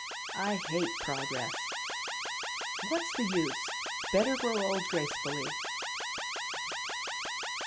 "I hate progress." "What's the use? Better grow old gracefully!